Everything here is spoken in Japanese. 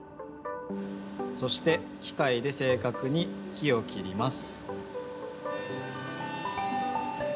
そしてきかいで正かくに木を切ります。